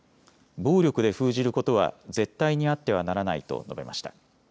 暴力で封じることは絶対にあってはならないと述べました。